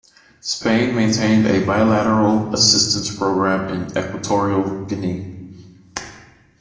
Spain maintained a bilateral assistance program in Equatorial Guinea.